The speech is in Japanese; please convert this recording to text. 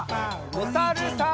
おさるさん。